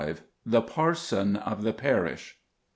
THE PARSON OF THE PARISH.